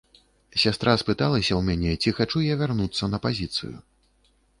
Сястра спыталася ў мяне, ці хачу я вярнуцца на пазіцыю.